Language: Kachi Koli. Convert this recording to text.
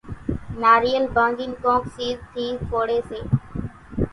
ناريل ڀانڳين ڪونڪ سيز ٿي ڦوڙي سي